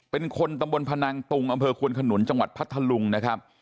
เป็นคนตำบลพนังตุงอำเภอควนขนุนจังหวัดพัทธลุงนะครับ